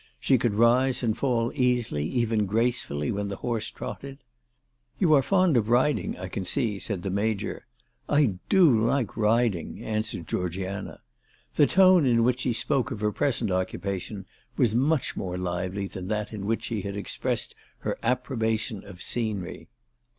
She could rise and fall easily, even gracefully, when the horse trotted. " You are fond of riding I can see," said the Major. "I do like riding," answered Georgiana. The tone in which she spoke of her present occupation was much more lively than that in which she had expressed her approbation of scenery.